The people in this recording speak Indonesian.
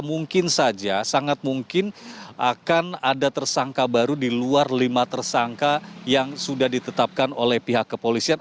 mungkin saja sangat mungkin akan ada tersangka baru di luar lima tersangka yang sudah ditetapkan oleh pihak kepolisian